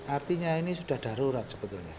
artinya ini sudah darurat sebetulnya